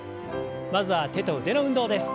まずは手と腕の運動です。